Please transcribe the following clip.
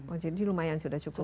oh jadi lumayan sudah cukup